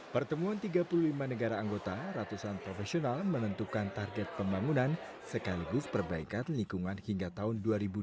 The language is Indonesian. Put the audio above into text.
pertemuan tiga puluh lima negara anggota ratusan profesional menentukan target pembangunan sekaligus perbaikan lingkungan hingga tahun dua ribu dua puluh